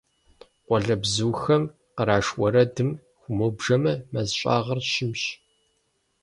Къуалэбзухэм къраш уэрэдыр хыумыбжэмэ, мэз щӀагъыр щымщ.